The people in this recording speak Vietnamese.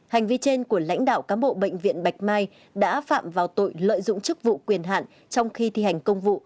hành vi trên của lãnh đạo cán bộ bệnh viện bạch mai đã phạm vào tội lợi dụng chức vụ quyền hạn trong khi thi hành công vụ